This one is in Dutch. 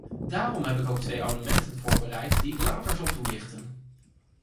Daarom heb ik ook twee amendementen voorbereid die ik later zal toelichten.